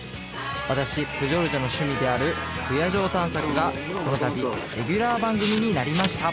私プジョルジョの趣味である不夜城探索がこのたびレギュラー番組になりました